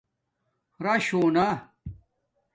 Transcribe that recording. رش ہونا